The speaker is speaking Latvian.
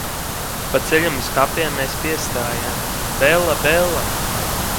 Pa ceļam uz kapiem mēs piestājām "Bella Bella".